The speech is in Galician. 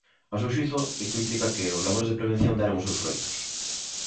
Ao seu xuízo, isto implica que "os labores de prevención deron os seus froitos".